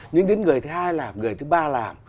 nhưng đến người thứ hai là người thứ ba làm